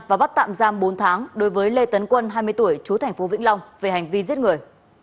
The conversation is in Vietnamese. và bắt tạm giam bốn tháng đối với lê tấn quân hai mươi tuổi chú thành phố vĩnh long về hành vi giết người